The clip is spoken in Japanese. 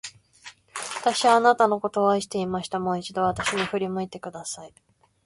私はあなたのことを愛していました。もう一度、私に振り向いてください。